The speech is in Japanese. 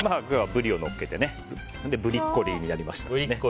今日はブリをのっけてブリッコリーになりました。